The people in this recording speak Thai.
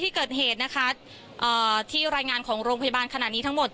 พูดสิทธิ์ข่าวธรรมดาทีวีรายงานสดจากโรงพยาบาลพระนครศรีอยุธยาครับ